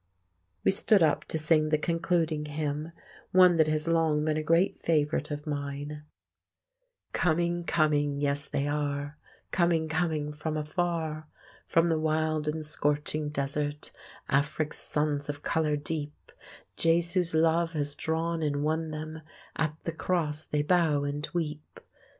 We stood up to sing the concluding hymn—one that has for long been a great favourite of mine— Coming, coming, yes, they are, Coming, coming, from afar; From the wild and scorching desert, Afric's sons of colour deep; Jesu's love has drawn and won them, At the cross they bow and weep.